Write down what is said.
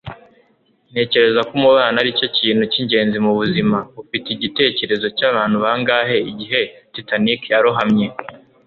ntekereza ko umubano aricyo kintu cyingenzi mubuzima. ufite igitekerezo cyabantu bangahe igihe titanic yarohamye